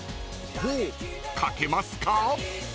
［「ホオ」書けますか？］